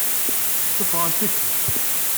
Ssuffɣent-k?